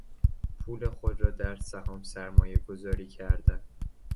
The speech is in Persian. پول خود را در سهام سرمایه گذاری کردن